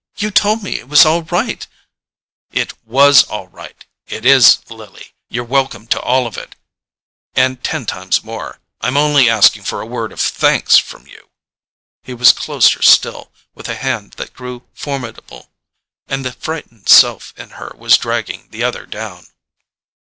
. you told me it was all right——" "It WAS all right—it is, Lily: you're welcome to all of it, and ten times more. I'm only asking for a word of thanks from you." He was closer still, with a hand that grew formidable; and the frightened self in her was dragging the other down.